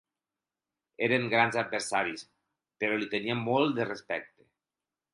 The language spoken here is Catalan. Érem grans adversaris, però li tenia molt de respecte.